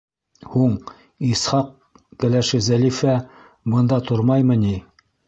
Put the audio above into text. — Һуң Исхаҡ кәләше Зәлифә бында тормаймы ни?